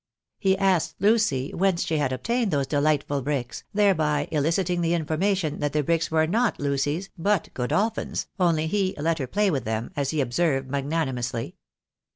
He asked Lucy whence she had obtained those delightful bricks, thereby eliciting the information that the bricks were not Lucy's, but Godolphin's, only he "let her play with them," as he observed magnanimously.